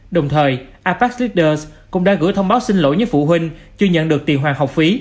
đồng thời abec leader cũng đã gửi thông báo xin lỗi cho phụ huynh chưa nhận được tiền hoàng học phí